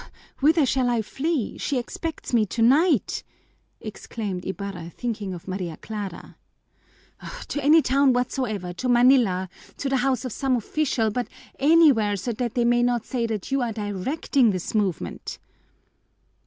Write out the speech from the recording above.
"Whither shall I flee? She expects me tonight!" exclaimed Ibarra, thinking of Maria Clara. "To any town whatsoever, to Manila, to the house of some official, but anywhere so that they may not say that you are directing this movement."